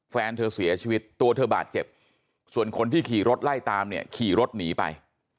แฟนเธอเสียชีวิตตัวเธอบาดเจ็บส่วนคนที่ขี่รถไล่ตามเนี่ยขี่รถหนีไป